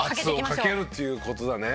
圧をかけるっていう事だね。